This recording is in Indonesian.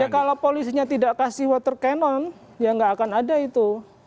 ya kalau polisinya tidak kasih water cannon ya nggak akan ada itu